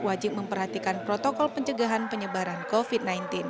wajib memperhatikan protokol pencegahan penyebaran covid sembilan belas